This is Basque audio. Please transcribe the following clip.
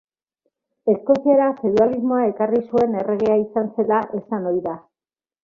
Eskoziara feudalismoa ekarri zuen erregea izan zela esan ohi da.